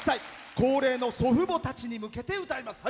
高齢の祖父母たちに向けて歌います。